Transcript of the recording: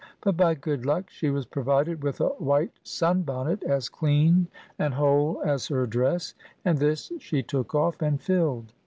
But, by good luck, she was provided with a white sun bonnet, as clean and whole as her dress; and this she took off and filled.